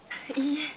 いいえ。